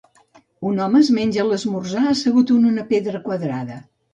Un home es menja l'esmorzar assegut en una pedra quadrada.